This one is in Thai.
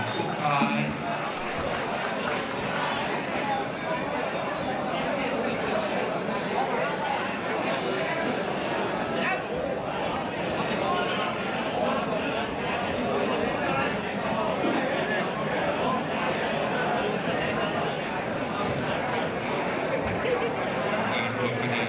สุดท้าย